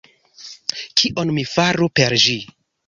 Kion mi faru per ĝi?